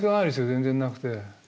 全然なくて。